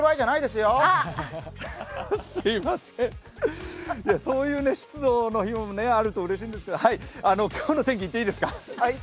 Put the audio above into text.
すいませんそういう湿度の日もあるとうれしいんですがはい、今日の天気行っていいですか？